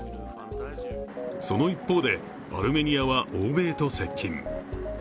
その一方で、アルメニアは欧米と接近。